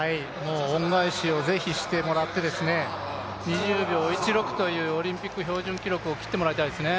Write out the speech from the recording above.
恩返しをぜひしてもらって２０秒１６というオリンピック標準記録を切ってもらいたいですね。